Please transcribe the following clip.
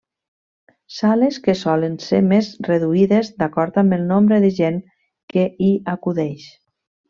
Sales que solen ser més reduïdes d'acord amb el nombre de gent que hi acudeix.